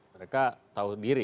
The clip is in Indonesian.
mereka tahu diri